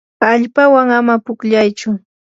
allpawan ama pukllaychu.